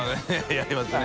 やりますね。